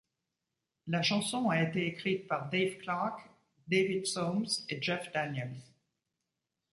La chanson a été écrite par Dave Clark, David Soames et Jeff Daniels.